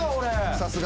さすが。